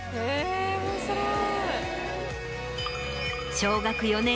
面白い。